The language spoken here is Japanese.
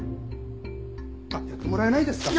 あっやってもらえないですか。